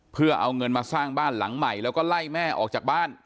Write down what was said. เพื่อเอาเงินมาสร้างบ้านหลังใหม่แล้วก็ไล่แม่ออกจากบ้าน